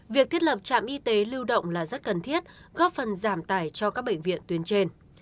việc thiết lập trạm y tế lưu động là rất cần thiết góp phần giảm tải cho các bệnh viện tuyến trên